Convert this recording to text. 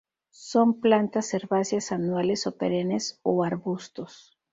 Son plantas herbáceas anuales o perennes, o arbustos.